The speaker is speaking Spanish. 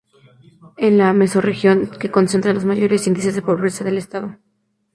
Es la mesorregión que concentra los mayores índices de pobreza del estado.